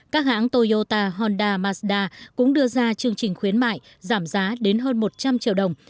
các hãng toyota honda mazda cũng đưa ra chương trình khuyến mại giảm giá đến hơn một trăm linh triệu đồng